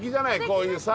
こういうさ。